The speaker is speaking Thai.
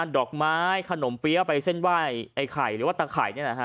ดอกไม้ขนมเปี๊ยะไปเส้นไหว้ไอ้ไข่หรือว่าตะไข่